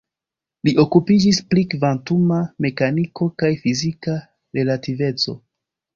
Li okupiĝis pri kvantuma mekaniko kaj fizika relativeco.